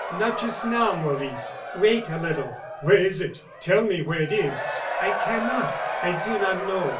"Not just now, Maurice; wait a little." "Where is it? Tell me where it is." "I cannot; I do not know."